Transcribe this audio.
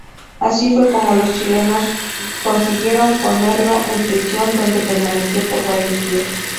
Así fue como los chilenos consiguieron ponerlo en prisión, donde permaneció por varios días.